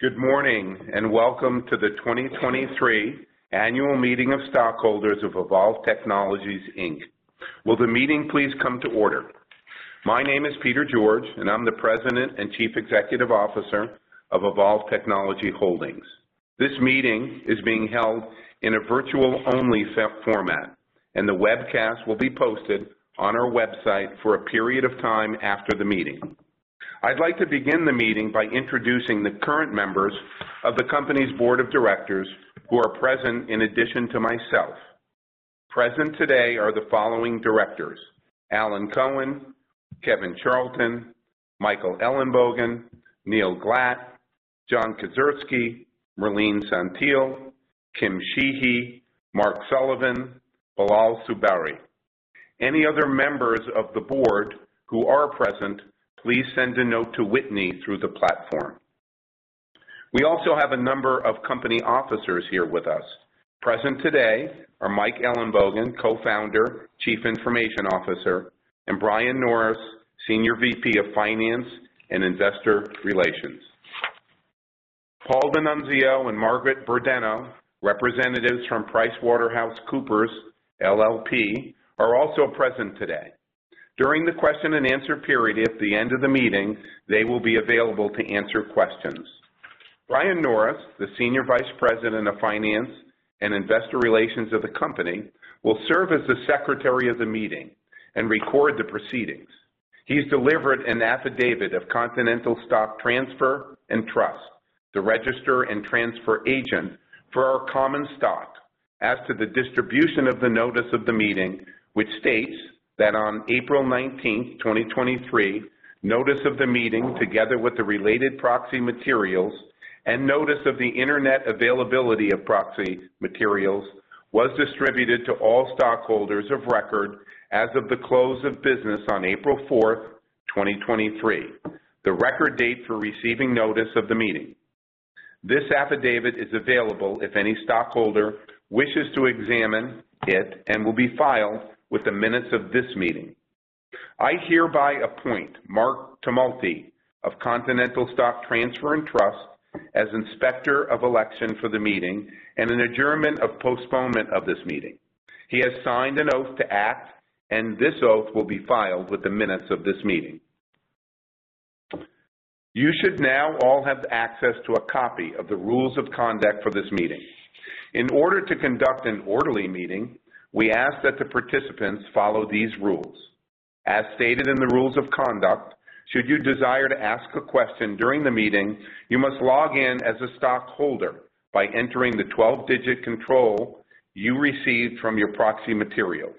Good morning, welcome to the 2023 Annual Meeting of Stockholders of Evolv Technologies, Inc. Will the meeting please come to order? My name is Peter George, and I'm the President and Chief Executive Officer of Evolv Technology Holdings. This meeting is being held in a virtual-only set format, and the webcast will be posted on our website for a period of time after the meeting. I'd like to begin the meeting by introducing the current members of the company's board of directors who are present in addition to myself. Present today are the following directors: Alan Cohen, Kevin Charlton, Michael Ellenbogen, Neil Glat, John Kedzierski, Merline Saintil, Kim Sheehy, Mark Sullivan, Bilal Zuberi. Any other members of the board who are present, please send a note to Whitney through the platform. We also have a number of company officers here with us. Present today are Mike Ellenbogen, Co-founder, Chief Innovation Officer, and Brian Norris, Senior VP of Finance and Investor Relations. Paul DiNunzio and Margaret Budeno, representatives from PricewaterhouseCoopers LLP, are also present today. During the question and answer period at the end of the meeting, they will be available to answer questions. Brian Norris, the Senior Vice President of Finance and Investor Relations of the company, will serve as the secretary of the meeting and record the proceedings. He's delivered an affidavit of Continental Stock Transfer & Trust, the register and transfer agent for our common stock, as to the distribution of the notice of the meeting, which states that on April 19th, 2023, notice of the meeting, together with the related proxy materials and notice of the internet availability of proxy materials, was distributed to all stockholders of record as of the close of business on April 4th, 2023, the record date for receiving notice of the meeting. This affidavit is available if any stockholder wishes to examine it and will be filed with the minutes of this meeting. I hereby appoint Mark Tumulty of Continental Stock Transfer & Trust as Inspector of Election for the meeting and an adjournment of postponement of this meeting. He has signed an oath to act, and this oath will be filed with the minutes of this meeting. You should now all have access to a copy of the rules of conduct for this meeting. In order to conduct an orderly meeting, we ask that the participants follow these rules. As stated in the rules of conduct, should you desire to ask a question during the meeting, you must log in as a stockholder by entering the 12-digit control you received from your proxy materials.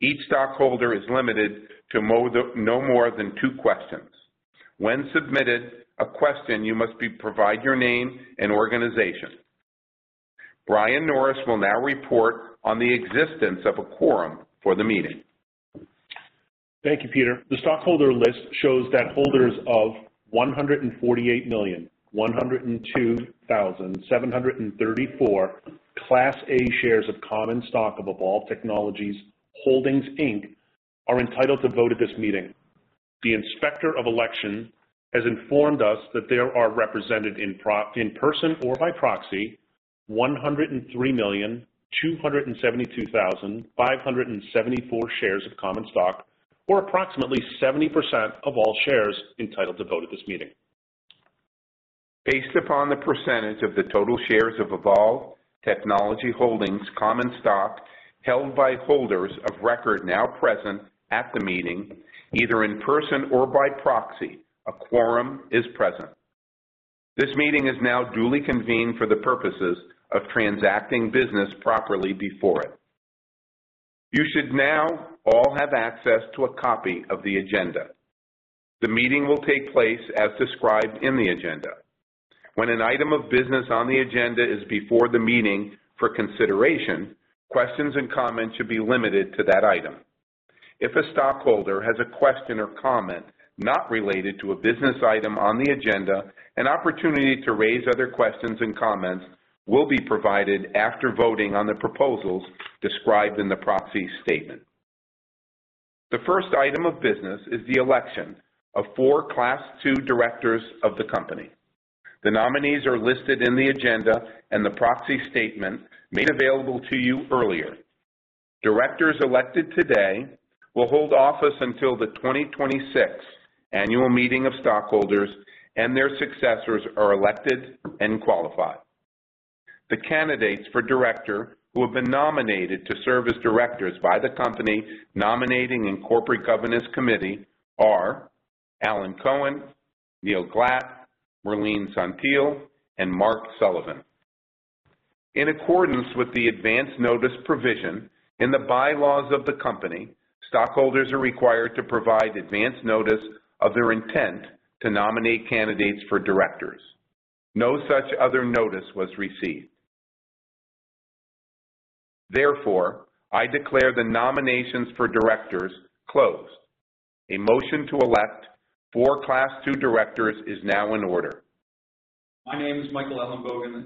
Each stockholder is limited to no more than two questions. When submitted a question, you must provide your name and organization. Brian Norris will now report on the existence of a quorum for the meeting. Thank you, Peter. The stockholder list shows that holders of 148,102,734 Class A shares of common stock of Evolv Technologies Holdings, Inc. are entitled to vote at this meeting. The Inspector of Election has informed us that there are represented in person or by proxy, 103,272,574 shares of common stock, or approximately 70% of all shares entitled to vote at this meeting. Based upon the percentage of the total shares of Evolv Technologies Holdings common stock held by holders of record now present at the meeting, either in person or by proxy, a quorum is present. This meeting is now duly convened for the purposes of transacting business properly before it. You should now all have access to a copy of the agenda. The meeting will take place as described in the agenda. When an item of business on the agenda is before the meeting for consideration, questions and comments should be limited to that item. If a stockholder has a question or comment not related to a business item on the agenda, an opportunity to raise other questions and comments will be provided after voting on the proposals described in the proxy statement. The first item of business is the election of four Class II Directors of the company. The nominees are listed in the agenda and the proxy statement made available to you earlier. Directors elected today will hold office until the 2026 Annual Meeting of Stockholders and their successors are elected and qualified. The candidates for director who have been nominated to serve as directors by the company Nominating and Corporate Governance Committee are Alan Cohen, Neil Glat, Merline Saintil, and Mark Sullivan. In accordance with the advance notice provision in the bylaws of the company, stockholders are required to provide advance notice of their intent to nominate candidates for directors. No such other notice was received. Therefore, I declare the nominations for directors closed. A motion to elect four Class II Directors is now in order. My name is Michael Ellenbogen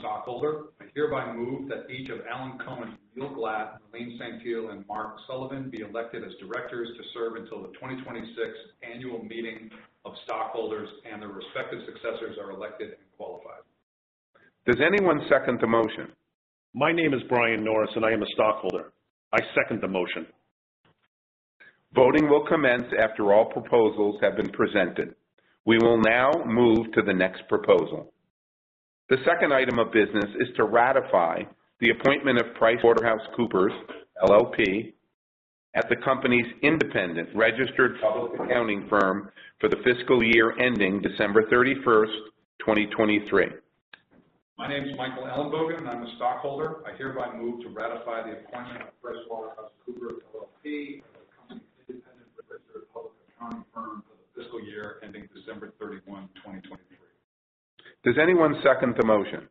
Stockholder. I hereby move that each of Alan Cohen, Neil Glat, Merline Saintil, and Mark Sullivan be elected as directors to serve until the 2026 annual meeting of stockholders and their respective successors are elected and qualified. Does anyone second the motion? My name is Brian Norris, and I am a stockholder. I second the motion. Voting will commence after all proposals have been presented. We will now move to the next proposal. The second item of business is to ratify the appointment of PricewaterhouseCoopers LLP, as the company's independent registered public accounting firm for the fiscal year ending December 31st, 2023. My name is Michael Ellenbogen, and I'm a stockholder. I hereby move to ratify the appointment of PricewaterhouseCoopers LLP, as the independent registered public accounting firm for the fiscal year ending December 31, 2023. Does anyone second the motion?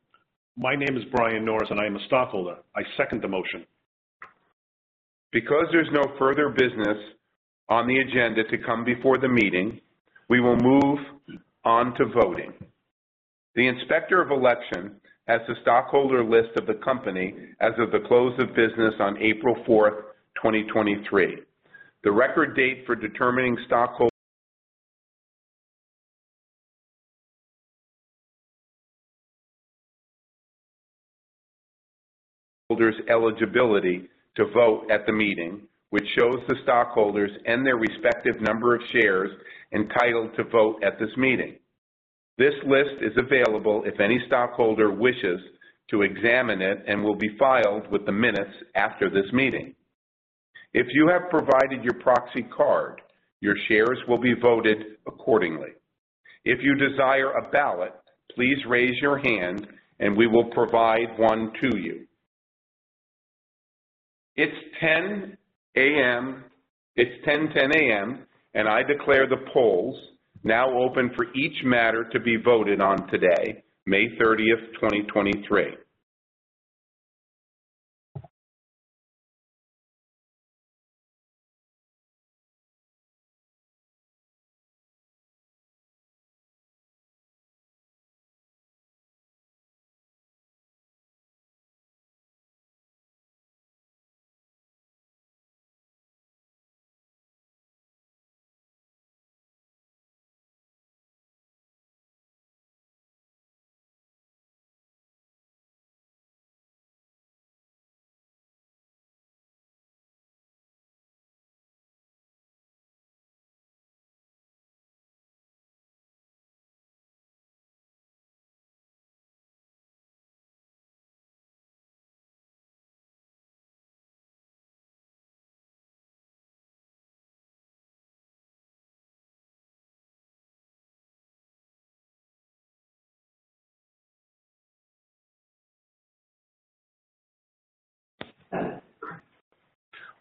My name is Brian Norris, and I am a stockholder. I second the motion. Because there's no further business on the agenda to come before the meeting, we will move on to voting. The Inspector of Election has the stockholder list of the company as of the close of business on April 4th, 2023. The record date for determining stockholders' eligibility to vote at the meeting, which shows the stockholders and their respective number of shares entitled to vote at this meeting. This list is available if any stockholder wishes to examine it, and will be filed with the minutes after this meeting. If you have provided your proxy card, your shares will be voted accordingly. If you desire a ballot, please raise your hand, and we will provide one to you. It's 10:10 A.M., and I declare the polls now open for each matter to be voted on today, May 30th, 2023.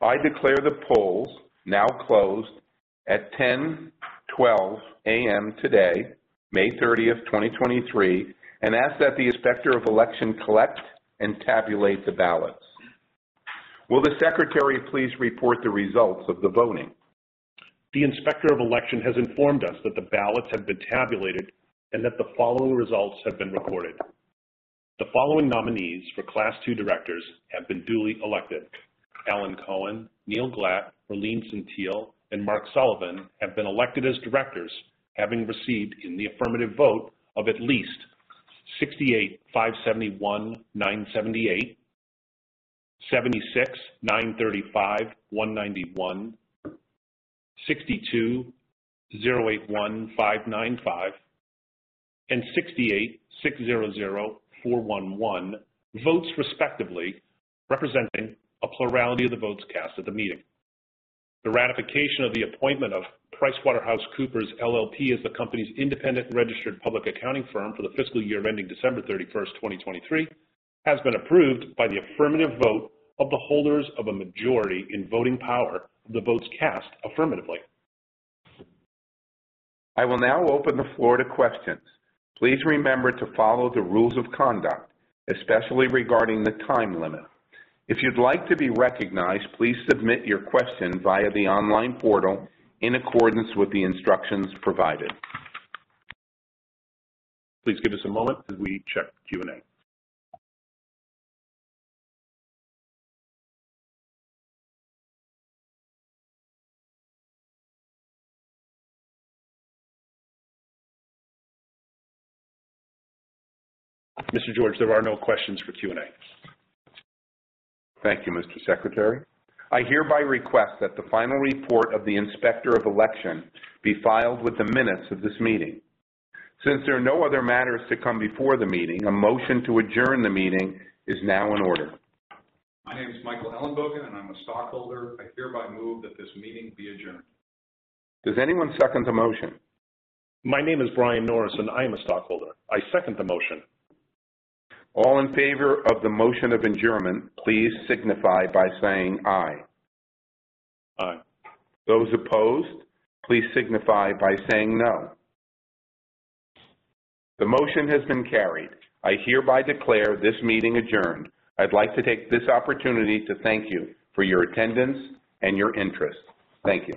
I declare the polls now closed at 10:12 A.M. today, May 30th, 2023, and ask that the Inspector of Election collect and tabulate the ballots. Will the Secretary please report the results of the voting? The Inspector of Election has informed us that the ballots have been tabulated and that the following results have been recorded. The following nominees for Class II Directors have been duly elected: Alan Cohen, Neil Glat, Merline Saintil, and Mark Sullivan have been elected as directors, having received in the affirmative vote of at least 68,571,978, 76,935,191, 62,081,595, and 68,600,411 votes respectively, representing a plurality of the votes cast at the meeting. The ratification of the appointment of PricewaterhouseCoopers LLP, as the company's independent registered public accounting firm for the fiscal year ending December 31st, 2023, has been approved by the affirmative vote of the holders of a majority in voting power of the votes cast affirmatively. I will now open the floor to questions. Please remember to follow the rules of conduct, especially regarding the time limit. If you'd like to be recognized, please submit your question via the online portal in accordance with the instructions provided. Please give us a moment as we check Q&A. Mr. George, there are no questions for Q&A. Thank you, Mr. Secretary. I hereby request that the final report of the Inspector of Election be filed with the minutes of this meeting. Since there are no other matters to come before the meeting, a motion to adjourn the meeting is now in order. My name is Michael Ellenbogen, and I'm a stockholder. I hereby move that this meeting be adjourned. Does anyone second the motion? My name is Brian Norris, and I am a stockholder. I second the motion. All in favor of the motion of adjournment, please signify by saying aye. Aye. Those opposed, please signify by saying no. The motion has been carried. I hereby declare this meeting adjourned. I'd like to take this opportunity to thank you for your attendance and your interest. Thank you.